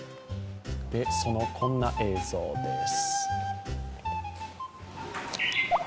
その、こんな映像です。